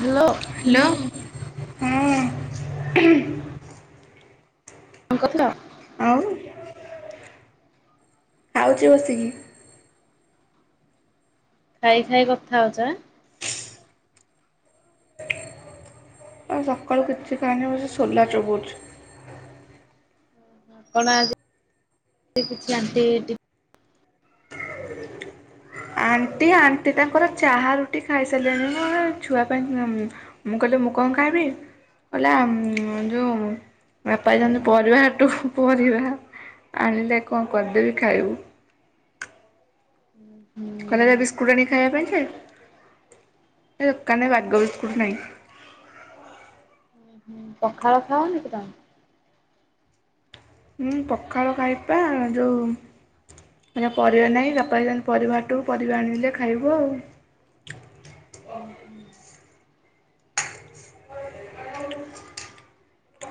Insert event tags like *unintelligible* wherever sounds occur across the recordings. Hello. Hello ହଁ। କଣ କରୁଥିଲ? ଆଉ ଖାଉଛି ବସିକି। ଖାଇ ଖାଇ କଥା ହଉଛ ଆଁ? ଆଉ ସକାଳୁ କିଛି ଖାଇନି ବସିକି ସୋଲା ଚୋବୋଉଛି। କଣ ଆ କିଛି ଆଣ୍ଟି ଟିଫି ଆଣ୍ଟି ଆଣ୍ଟି ତାଙ୍କର ଚାହା ରୁଟି ଖାଇସାରିଲାଣି ମୋ ଛୁଆ ପାଇଁ ମୁଁ କହିଲି ମୁଁ କଣ ଖାଇବି? କହିଲା ଯୋଉ ବାପା ଯାଇଛନ୍ତି ପରିବାର ହାଟକୁ ପରିବା ଆଣିଲେ କଣ କରିଦେବି ଖାଇବୁ। ହୁଁ ହୁଁ। କହିଲା ଯା ବିସ୍କୁଟ୍ ଆଣିକି ଖାଇବା ପାଇଁ ଯେ ତା ଦୋକାନରେ ବାଗ ବିସ୍କୁଟ୍ ନାହିଁ। ପଖାଳ ଖାଅନି କି ତମେ? ହୁଁ ପଖାଳ ଖାଇବି ପା ଯୋଉ ପରିବା ନାହିଁ ବାପା ଯାଇଛନ୍ତି ପରିବାହାଟକୁ ପରିବା ଆଣିଲେ ଖାଇବୁ ଆଉ। ହୁଁ।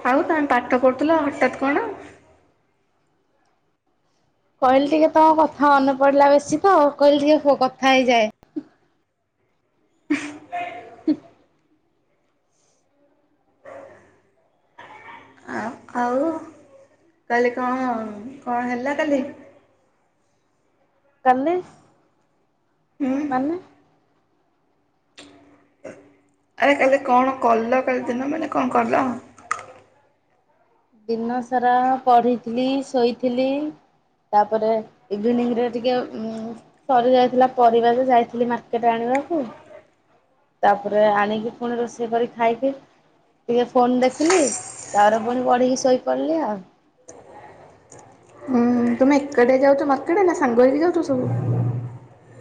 ଆଉ ତମେ ପାଠ ପଢ଼ୁଥିଲ ହଠାତ୍ କଣ? କହିଲି ଟିକେ ତମ କଥା ମନେ ପଡିଲା ବେଶୀ ତ କହିଲି ଟିକେ କଥା ହେଇଯାଏ। ହୁଁ। ଆଉ ଆଉ କାଲି କଣ କଣ ହେଲା କାଲି? କାଲି? ହୁଁ। ମାନେ? ଆରେ କାଲି କଣ କଲ କାଲି ଦିନ ମାନେ କଣ କଲ? ଦିନ ସାରା ପଢିଥିଲି, ଶୋଇଥିଲି। ତାପରେ ଇଭିନିଂରେ ଟିକେ ଉଁ ସରି ଯାଇଥିଲା ପରିବାଯେ ଯାଇଥିଲି ମାର୍କେଟ ଆଣିବାକୁ। ତାପରେ ଆଣିକି ପୁଣି ରୋଷେଇ କରି ଖାଇକି ଟିକେ ଫୋନ ଦେଖିଲି ତାପରେ ପୁଣି ପଢିକି ଶୋଇପଡିଲି ଆଉ। ହୁଁ ତୁମେ ଏକାଟିଆ ଯାଉଛ ମାର୍କେଟ ନା ସାଙ୍ଗହେଇକି ଯାଉଚ ସବୁ?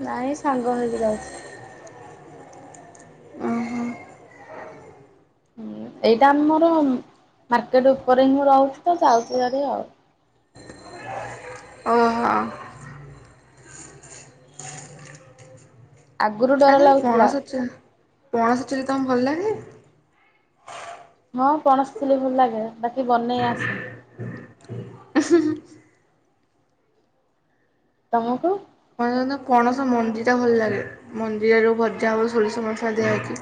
ନାଇଁ ସାଙ୍ଗ ହେଇକି ଯାଉଛୁ। ହୁଁ ଏଇଟା ଆମର ମାର୍କେଟ ଉପରେ ହିଁ ମୁଁ ରହୁଛି ତ ଯାଉଛୁ ଯୁଆଡେ ଆଉ। ଓହୋ ଆଗରୁ ଆଚ୍ଛା ଡର ତମ ଲାଗୁଥିଲା ପଣସ ଚିଲ ପଣସ ଚିଲ୍ଲି ତମକୁ ଭଲ ଲାଗେ? ହଁ ପଣସଚିଲ୍ଲି ଭଲ ଲାଗେ ବାକି ବନେଇ ଆସେନି। *inaudible* ତମକୁ? ପଣସ ନା ପଣସ ମଞ୍ଜି ଟା ଭଲ ଲାଗେ ମଞ୍ଜି ରେ ଜଉ ଭଜା ହବ ସୋରିଷ ମସଲା ଦିଆ ହେଇକି?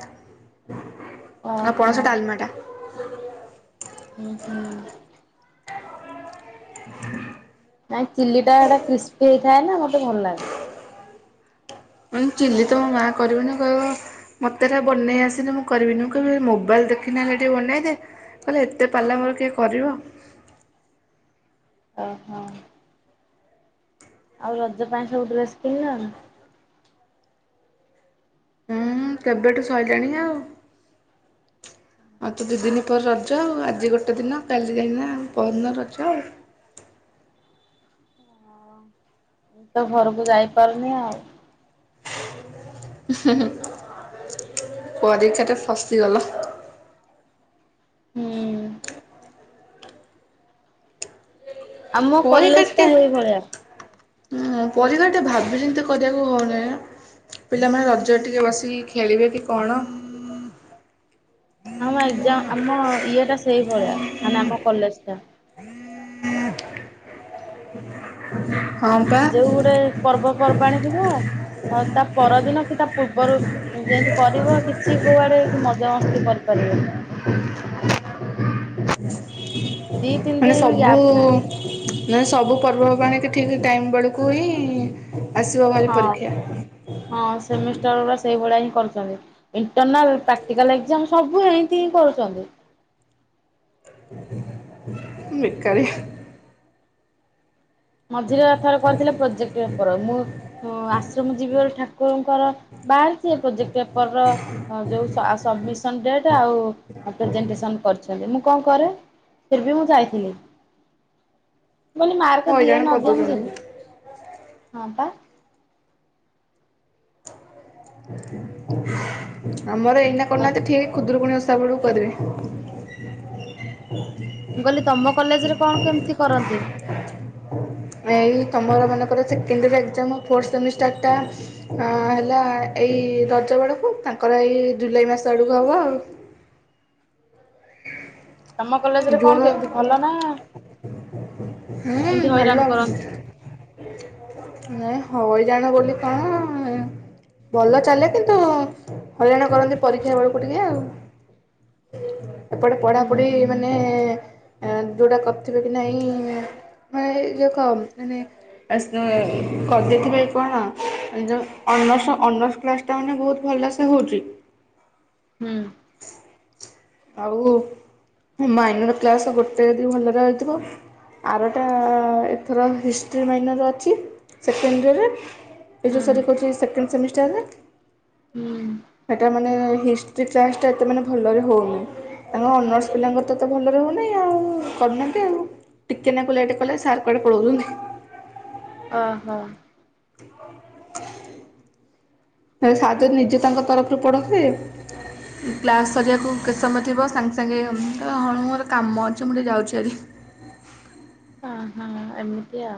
ଆଉ ଓହୋ ପଣସ ଡାଲମା ଟା। ହୁଁ ହୁଁ। ନାଇଁ ଚିଲି ଟା ହେଟା କ୍ରିସ୍ପି ହେଇଥାଏ ନା ମୋତେ ଭଲ ଲାଗେ। ଉଁ ଚିଲି ତ ମୋ ମା କରିବନି କହିବ ମୋତେ ଏରା ବନେଇ ଆସେନି ମୁଁ କରିବିନି ମୁଁ କହିବି ମୋବାଇଲ୍ ଦେଖି ନ ହେଲେ ଟିକେ ବନେଇଦେ। କହିଲା ଏତେ ପାଲା ମୋର କିଏ କରିବ? ଓହୋ। ଆଉ ରଜ ପାଇଁ ସବୁ ଡ୍ରେସ କିଣିଲଣି? ହୁଁ କେବେଠୁ ସଇଲାଣି ଆଉ। ଆଉ ତ ଦିଦିନି ପରେ ରଜ ଆଉ ଆଜି ଗୋଟେ ଦିନ କାଲି ଯାଇକିନା ପହରଦିନ ରଜ ଆଉ। ମୁଁ ତ ଘରକୁ ଯାଇପାରୁନି ଆଉ। *inaudible* ପରୀକ୍ଷା ରେ ଫସିଗଲ। ହୁଁ। ଆମ ପରୀକ୍ଷା କଲେଜ ଟେ ଟା ହେଇଭଳିଆ ଉଁ ପରୀକ୍ଷା ଟିକେ ଭାବି ଚିନ୍ତି କରିବାକୁ ହଉନାହିଁ ନା। ପିଲାମାନେ ରଜରେ ଟିକେ ବସିକି ଖେଳିବେ କି କଣ? ଆମ ଏକ୍ସାଯାମ୍ ଆମ ଇଏ ଟା ସେଇଭଳିଆ ମାନେ ଆମ କଲେଜ ଟା। ହଁ ପା। ଯୋଉ ଗୋଟେ ପର୍ବପର୍ବାଣିୀ ଥିବ ଆଉ ତା ପରଦିନ କି ତା ପୂର୍ବରୁ ଯେମତି କରିବ କିଛି କୁଆଡେ ମଜାମସ୍ତି କରିପାରିବେନି। ଦି ତିନି ମାନେ ଦିନ ବି ସବୁ ଗ୍ୟାପ୍ ନାହିଁ। ମାନେ ସବୁ ପର୍ବବାଣିକି ଠିକ୍ ଟାଇମ୍ ବେଳକୁ ହିଁ ଆସିବ ଭାରି ହଁ ପରୀକ୍ଷା। ହଁ ସେମିଷ୍ଟର ଉଡା ସେଇଭଳିଆ ହିଁ କରୁଛନ୍ତି। ଇଣ୍ଟରନାଲ ପ୍ରାକ୍ଟିକାଲ ଏକଯାମ୍ ସବୁ ଏମତି ହିଁ କରୁଛନ୍ତି। *inaudible* ବେକାରିଆ ମଝିରେ ଥରେ କରିଥିଲେ ପ୍ରୋଜେକ୍ଟ ପେପର ମୁଁ ମୁଁ ଆଶ୍ରମ ଯିବି ବୋଲି ଠାକୁରଙ୍କର ବାହାରିଛି ଏ ପ୍ରୋଜେକ୍ଟ ପେପର ର ଅ ଯୋଉ ସ ଆ ସବମିସନ ଡେଟ ଆଉ ପ୍ରେଜେଣ୍ଟେସନ କରିଛନ୍ତି ମୁଁ କଣ କରେ? ଫିର୍ ବି ମୁଁ ଯାଇଥିଲି ମୁଁ କଲି ମାର୍କ ହଇରାଣ ଦିଅ ନଦିଅ ମୁଁ କରିଦଉଛନ୍ତି ଯିବି। ହଁ ପା। ଆମର ଏଇନା ଆଉ କରୁନାହାନ୍ତି ଠିକ୍ ଖୁଦରୁକୁୁଣି ଓଷା ବେଳକୁ କରିବେ। ମୁଁ କଲି ତମ କଲେଜ ରେ କଣ କେମିତି କରନ୍ତି? ଏଇ ତମର ମାନଙ୍କର ସେକେଣ୍ଡୟର ଏଗ୍ଜାମ୍ ଫୋର୍ଥ ସେମିଷ୍ଟାର ଟା ଅ ହେଲା ଏଇ ରଜ ବେଳକୁ ତାଙ୍କର ଏଇ ଜୁଲାଇ ମାସ ଆଡକୁ ହବ ଆଉ। ତମ କଲେଜରେ କଣ ଜୁନ୍ କେମିତି ଭଲ ନା ହୁଁ ଏମତି ଭଲ ହଇରାଣ କରନ୍ତି? ନାଇଁ ହଇରାଣ ବୋଲି କଣ ଭଲ ଚାଲେ କିନ୍ତୁ ହଇରାଣ କରନ୍ତି ପରୀକ୍ଷା ବେଳକୁ ଟିକେ ଆଉ। ଏପଟେ ହୁଁ ପଢାପଢି ହୁଁ ମାନେ ଯଉଟା କରିଥିବେ କି ନାହିଁ ମେ ଏଉ ଯଉ ମାନେ କରିଦେଇଥିବେ କଣ ଯୋଉ ଅନସ୍ ଅନସ୍ କ୍ଲାସ୍ ଟା ମାନେ ବହୁତ ଭଲସେ ହୋଉଛି। ହୁଁ। ଆଉ ମାଇନର କ୍ଲାସ ଗୋଟେ ଯଦି ଭଲରେ ହୋଇଥିବ। ଆରଟା ଏଥର ହିଷ୍ଟ୍ରି ମାଇନର ଅଛି ସେକେଣ୍ଡ ଇୟରରେ। ଏ ହୁଁ ଯୋଉ ସାର୍ କହୁଛି ସେକେଣ୍ଡ ସେମିଷ୍ଟରରେ। ହୁଁ। ହେଟା ମାନେ ହିଷ୍ଟ୍ରି କ୍ଲାସ୍ ଟା ଏତେ ମାନେ ଭଲରେ ହଉନି। ତାଙ୍କ ଅନର୍ସ ପିଲାଙ୍କର ତ ତ ଭଲରେ ହଉନହିଁ ଆଉ କରୁନାହାନ୍ତି ଆଉ। ଟିକିଏ ନା କୁ ଲେଟ୍ କଲେ ସାର୍ କୁଆଡେ ପଳଉଛନ୍ତିି। ଅ ହ। *inaudible* ସାର୍ ଯଦି ନିଜେ ତାଙ୍କ ତରଫରୁ ପଢ଼ୋଉଥିବେ। କ୍ଲାସ୍ ସରିବାକୁ କେତେ ସମୟ ଥିବ ସାଙ୍ଗେ ସାଙ୍ଗେ ହଁ ମୋର କାମ ଅଛି ମୁଁ ଟିକେ ଯାଉଛି ଭାରି। ହଁ ହଁ ଏମିତି ଆଉ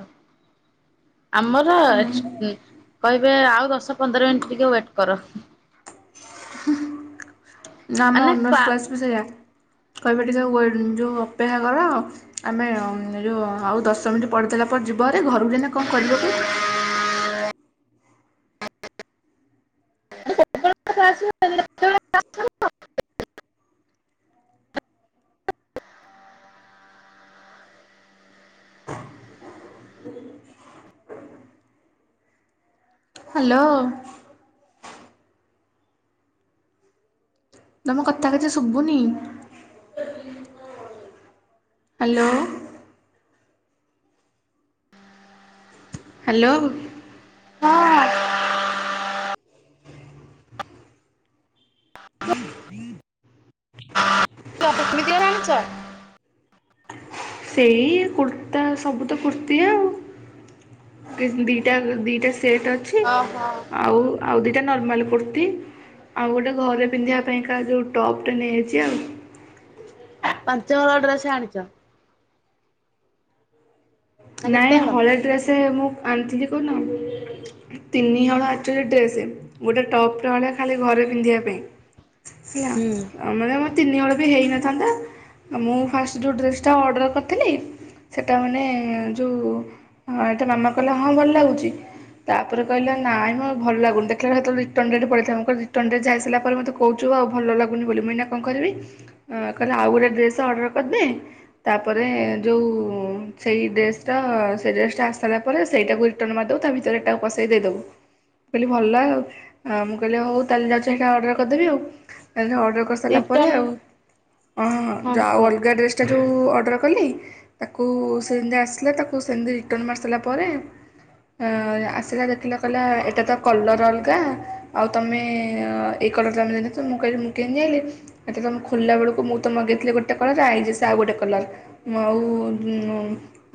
ଆମର କହିବେ ଆଉ ଦଶ ପନ୍ଦର ମିନିଟ୍ ଟିକିଏ ୱେଟ୍ କର। ନା ଆମ ମାନେ ଅନର୍ସ କ୍ଲା କ୍ଲାସ୍ ବି ସେଇଆ କହିବା ଟିକେ ୱ ଯୋଉ ଅପେକ୍ଷା କର। ଆମେ ଏଯଉ ଆଉ ଦଶମିନିଟ୍ ପଢ଼ିଦେଲା ପରେ ଯିବରେ ଭାରି ଘରକୁ ଏଇନା କଁ କରିବ କି? *unintelligible* ହ୍ୟାଲୋ। ତମ କଥା କିଛି ଶୁଭୁନି। ହ୍ୟାଲୋ। ହ୍ୟାଲୋ। ହଁ। *inaudible* *unintelligible* ସେଇ କୁର୍ତ୍ତା ସବୁ ତ କୁର୍ତ୍ତି ଆଉ। ଦିଟା ଦିଟା ସେଟ୍ ଅଛି ଓହୋ ଆଉ ଆଉ ଦିଇଟା ନର୍ମାଲ୍ କୁର୍ତ୍ତି ଆଉ ଗୋଟେ ଘରେ ପିନ୍ଧିବା ପାଇଁକା ଯୋଉ ଟପ୍ ନେଇଆଇଛି ଆଉ। ପାଞ୍ଚ ହଳ ଡ୍ରେସ୍ ଆଣିଚ। ନା କେତେ ନାଇଁ ହଳ? ହଳେ ଡ୍ରେସ୍ ମୁଁ ଆଣିଥିଲି କୋଉଦିନ? ତିନିହଳ ଆକ୍ଚୁଆଲି ଡ୍ରେସ୍ ଗୋଟେ ଟପ୍ ହେଲା ଖାଲି ଘରେ ପିନ୍ଧିବା ପାଇଁ। ସିଆ। ହୁଁ ଆ ମାନେ ମୋ ତିନିହଳ ବି ହେଇନଥାନ୍ତା ମୁଁ ଫାଷ୍ଟ ଯୋଉ ଡ୍ରେସ୍ଟା ଅର୍ଡ଼ର କରିଥିଲି, ସେଟା ମାନେ ଯଉ ଏଟା ମାମା କହିଲା ହଁ ଭଲ ଲାଗୁଚି। ତାପରେ କହିଲା ନାଇଁ ମୋ ଭଲ ଲାଗୁନି ଦେଖାଳେ ହେ ତଳେ ରିଟନ୍ ଡେଟ୍ ପଳେଇ ଥିଲା ମୁଁ କହିଲି ରିଟନ୍ ଡେଟ୍ ଯାଇସାଇଲା ପରେ ମତେ କହୁଛୁ ଆଉ ଭଲ ଲାଗୁନି ବୋଲି ମୁଁନା କଣ କରିବି କହିଲେ ଆଉ ଗୋଟେ ଡ୍ରେସ୍ ଅର୍ଡ଼ର କରିଦେ। ତାପରେ ଯୋଉ ସେଇ ଡେ ଡ୍ରେସ ଟା ଆସି ସାଇଲା ପରେ ସେଇଟାକୁ ରିଟର୍ନ ମାରଦବୁ ତା ଭିତରେ ଏଟାକୁ ପସେଇ ଦେଇଦବୁ। ମୁଁ କହିଲି ଭଲ ଆଉ, ମୁଁ କହିଲି ହଉ ତାହେଲେ ଯାଉଚି ହେଇଟା ଅର୍ଡ଼ର କରିଦେବି ଆଉ, ତାଲେ ଅର୍ କରି ସାରିଲା ପରେ ରିଟର୍ନ ଆଉ, ହଁ ଯାହାହଉ ଅଲଗା ଡ୍ରେସ ଟା ଯେଉଁ ଅର୍ଡ଼ର କଲି, ତାକୁ ସେଦିନ ଆସ ଆଣିଥିଲା ତାକୁ ସେମିତି ରିଟର୍ଣ୍ଣ ମାରି ସାରିଲା ପରେ ଅ ଆସିଲା ଦେଖିଲା କହିଲା, ଏଇଟା ତ କଲର ଅଲଗା, ଆଉ ତମେ ଏଇ କଲର୍ ଟା ନେଲନି ତ, ମୁଁ କହିଲି, ମୁଁ କେମିତି ଜାଇଁଲି। ଆ ତମେ ଖୋଲା ବେଳକୁ ମୁଁ ତ ମଗେଇଥିଲ ଗୋଟେ କଲର, ଆଇଁଲେ ସେ ଆଉ ଗୋଟେ କଲର। ଆଉ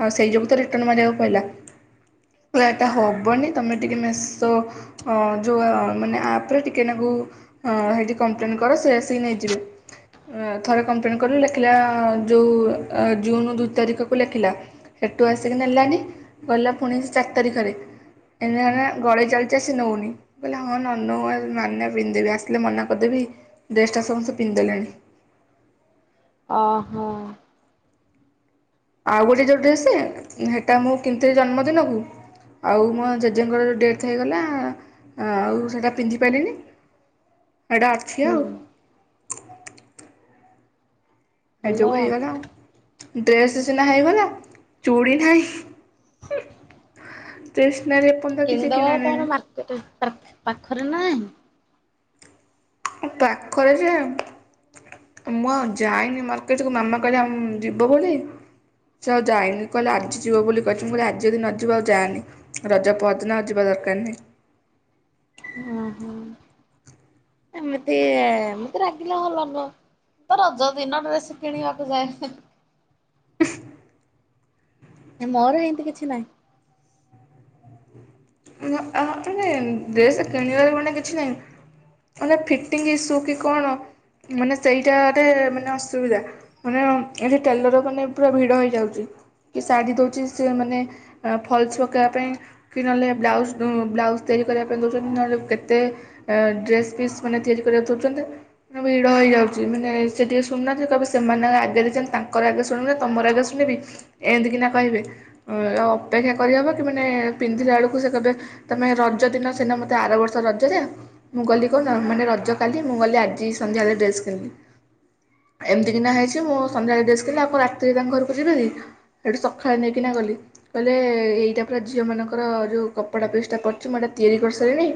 ଆଉ, ସେଇ ଯୋଗୁ ତ ରିଟର୍ଣ ମାରିବାକୁ ପଇଲା। ପୁରା ଏଟା ହବନି ତମେ ଟିକେ ମେଶୋ ଅ ଯୋଉ ମାନେ ଆପରେ, ଟିକେ ନାଗୁ ହଁ, ହେଇଠି କମ୍ପ୍ଲେନ କର, ସେ ଆସିକି ନେଇଯିବେ। ଥରେ କମ୍ପ୍ଲେନ୍ କଲୁ, ଲେଖିଲା ଯେଉଁ ଜୁନ୍ ଦୁଇ ତାରିଖକୁ ଲେଖିଲା। ହେଟୁ ଆସିକି ନେଲାନି, କହିଲା ପୁଣି ଚାରି ତାରିଖରେ। *unintelligible* ଗଳେଇ ଚାଲିଚେ, ସେ ନଉନି। ମୁଁ କହିଲି ହଁ ନ ନଉ, ମାନେ ପିନ୍ଧେଦେବି, ଆସିଲେ ମନା କରିଦେବି, ଡ୍ରେସଟା ସମସ୍ତେ ପିନ୍ଧିଦେଲେଣି। ଅ ହ। ଆଉ ଗୋଟେ ଯୋଉ ଡ୍ରେସ, ହେଟା ମୁଁ କିଣିଥିଲି ଜନ୍ମଦିନକୁ। ଆଉ ମୋ ଜେଜେଙ୍କର ଯେଉଁ ଡେଥ୍ ହେଇଗଲା, ଆଉ ସେଇଟା ପିନ୍ଧି ପାଇଲିନି। ହେଇଟା ଅଛିି ହୁଁ ଆଉ। ହେଇ ଭଲ ଯୋଗୁ ଆଉ ହେଇଗଲା ଆଉ। ଡ୍ରେସ୍ ସିନା ହେଇଗଲା, ଚୁଡ଼ି ନାହିଁ। ଷ୍ଟେସନାରୀ ଏପରର୍ଯ୍ୟନ୍ତ ତ କିଛି କିଣିଦବ କିଣା ନାହିଁ। *unintelligible* ପାଖରେ ନାହିଁ? ହଁ, ପାଖରେ ଯେ ଏ ମୁଁ ଆଉ ଯାଇନି ମାର୍କେଟକୁ, ମାମା କହିଲା ଆ ଯିବ ବୋଲି ସେ ଆଉ ଯାଇନି, କହିଲା ଆଜି ଯିବ ବୋଲି କହିଚି, ମୁଁ କହିଲି ଆଜି ଯଦି ନ ଯିବୁ ଆଉ ଯାଆନି। ରଜ ପଅରିଦିନ ଆଉ ଯିବା ଦରକାର ନାହିଁ। ଓ ହୋ। ଏମିତି, ଏମତି ରାଗିଲେ *unintelligible* ମୁଁ ତ ରଜ ଦିନ ଡ୍ରେସ କିଣିବାକୁ ଯାଏ, ହେଁ। ମୋର ହେମିତି କିଛି ନାହିଁ। *unintelligible* ଡ୍ରେସ୍ କିଣିବାର ମାନେ କିଛି ନାହିଁ। ମାନେ ଫିଟିଙ୍ଗ ଇସୁ କି କଣ, ମାନେ ସେଇଟା ରେ ମାନେ ଅସୁବିଧା। ମାନେ ଏଠି ଟେଲର ଦୋକାନ ରେ ପୁରା ଭିଡ ହେଇଯାଉଚି। କି ଶାଢ଼ୀ ଦଉଛି ସେ ମାନେ ଫଲସ୍ ପକେଇବା ପାଇଁ, କି ନହେଲେ ବ୍ଲାଉଜ୍, ବ୍ଲାଉଜ୍ ତିଆରି କରିବା ପାଇଁ ଦଉଚନ୍ତି, ନହେଲେ କେତେ ଡ୍ରେସ୍ ପିସ୍ ମାନେ ତିଆରି କରିବାକୁ ଦଉଚନ୍ତି। ଭିଡ଼ ହେଇଯାଉଚି, ମାନେ ସେ ଟିକେ ଶୁଣୁନାହାନ୍ତି, କହିବେ ସେମାନେ ଆଗେ ଦେଇଚନ୍ତି, ତାଙ୍କର ଆଗେ ଶୁଣିବି ନା ତମର ଆଗେ ଶୁଣିବି? ଏମିତିକିନା କହିବେ, ଉ ଅପେକ୍ଷା କରିହେବ କି, ମାନେ ପିନ୍ଧିଲା ବେଳକୁ ସେ କହିବେ, ତମେ ରଜ ଦିନ ସିନା ମତେ ଆର ବର୍ଷ ରଜରେ ମୁଁ କହିଲି କଣ, ମାନେ ରଜ କାଲି, ମୁଁ ଗଲି ଆଜି ସନ୍ଧ୍ୟା ବେଳେ ଡ୍ରେସ୍ କିଣିଲି। ଏମିତିକି ନା ହେଇଚି, ମୁଁ ସନ୍ଧ୍ୟାବେଳେ ଡ୍ରେସ୍ କିଣିଲି, ଆଉ କଣ ରାତିରେ ତାଙ୍କ ଘରକୁ ଯିବିକି? ହେଇଟୁ ସକାଳେ ନେଇକିନା ଗଲି, କହିଲେ ଏଇଟା ପୁରା ଝିଅମାନଙ୍କର ଯୋଉ- କପଡ଼ା ପିସ୍ ଟା ପଡ଼ିଚି, ମୁଁ ଏଇଟା ତିଆରି କରିସାରିଲଣି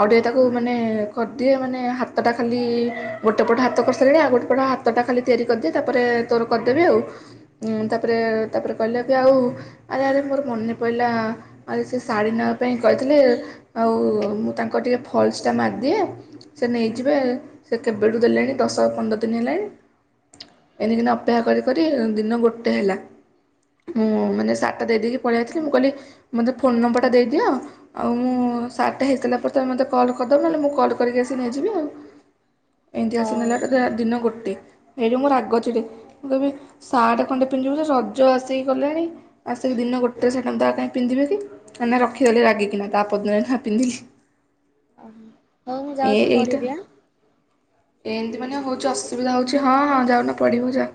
ଆଉ ଟିକେ ତାକୁ ମାନେ କରିଦିଅ, ମାନେ ହାତଟା ଖାଲି, ଗୋଟେ ପଟେ ହାତ କରିସାରିଲେଣି, ଆଉ ଗୋଟେ ପଟ ହାତ ତାଟା ଖାଲି ତିଆରି କରିଦିଏ ତାପରେ ତୋର କରିଦେବି ଆଉ। ଉଁ ତାପରେ ତାପରେ କହିଲା କି ଆଉ ଆରେ ଆରେ ମୋର ମନେ ପଇଲା ଆରେ ସେ ଶାଢ଼ୀ ନବା ପାଇଁ କହିଥିଲେ ଆଉ ମୁଁ ତାଙ୍କ ଟିକେ ଫଲ୍ସ ଟା ମାରିଦିଏ। ସେ ନେଇଯିବେ ସେ କେବେଠୁ ଦେଲେଣି ଦଶ ପନ୍ଦର ଦିନ ହେଲାଣି। ଏନକିନା ଅପେକ୍ଷା କରି କରି ଦିନ ଗୋଟେ ହେଲା। ମୁଁ ମାନେ ସାର୍ଟା ଦେଇକି ପଳେଇ ଆଇଥିଲି ମୁଁ କହିଲି ମୋତେ ଫୋନ୍ ନମ୍ବରଟା ଦେଇଦିଅ ଆଉ ମୁଁ ସାଟା ହେଇସାରିଲା ପରେ ତମେ ମୋତେ କଲ୍ କରିଦେବ ନହେଲେ ମୁଁ କଲ୍ କରିକି ଆସି ନେଇଯିବି ଆଉ। ଏନ୍ତି ଆସି ହଉ। ନେଲାଠୁ ଦ ଦିନ ଗୋଟେ। ଏଇଠୁ ମୋ ରାଗ ଚିଡେ ମୁଁ କହିବି ସାର୍ଟ ଖଣ୍ଡେ ପିନ୍ଧିବୁ ଯେ ସଜ ଆସିକି କଲାଣି। ଆସିକି ଦିନ ଗୋଟେ ସୋତା ଆଉ କାହିଁ ପିନ୍ଧିବେ କି ନା ରଖିଦେଲି ରାଗିକିନା ତାପରଦିନ ଯାଇ ନାଁ ପିନ୍ଧିଲି। ଓହୋ ହଉ ମୁଁ ଏ ଯାଉଛି ଏଇଟା ପଢିବି ଆ? ଏମିତି ମାନେ ହେଉଛି ଅସୁବିଧା ହେଉଛି ହଁ ହଁ ଯାଉନା ପଢିବ ଯା।